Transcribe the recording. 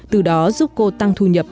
từ đó giúp cô tăng thu nhập